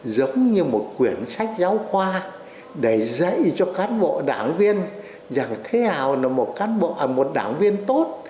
giống như một quyển sách giáo khoa để dạy cho cán bộ đảng viên rằng thế nào là một đảng viên tốt